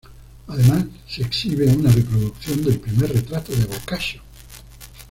Además se exhibe una reproducción del primer retrato de Boccaccio.